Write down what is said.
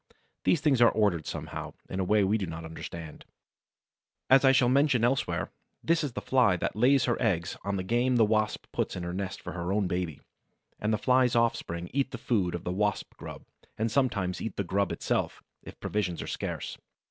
These things are ordered somehow, in a way we do not understand. As I shall mention elsewhere, this is the Fly that lays her eggs on the game the Wasp puts in the nest for her own baby; and the Fly's offspring eat the food of the Wasp grub, and sometimes eat the grub itself, if provisions are scarce.